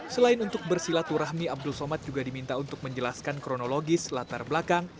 selain untuk bersilaturahmi abdul somad juga diminta untuk menjelaskan kronologis latar belakang